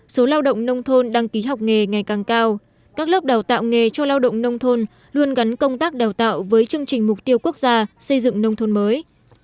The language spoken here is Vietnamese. số lao động nông thôn đăng ký học nghề ngày càng cao các lớp đào tạo nghề cho lao động nông thôn luôn gắn công tác đào tạo với chương trình mục tiêu quốc gia xây dựng nông thôn mới